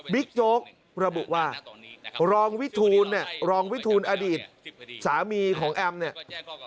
โจ๊กระบุว่ารองวิทูลเนี่ยรองวิทูลอดีตสามีของแอมเนี่ย